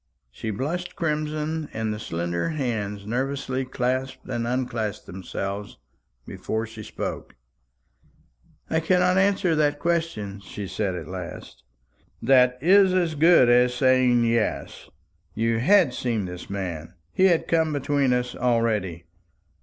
She blushed crimson, and the slender hands nervously clasped and unclasped themselves before she spoke. "I cannot answer that question," she said at last. "That is quite as good as saying 'yes.' You had seen this man; he had come between us already.